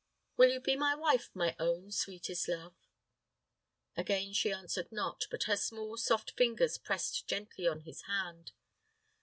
Will you be my wife, my own sweetest love?" Again she answered not; but her small, soft fingers pressed gently on his hand.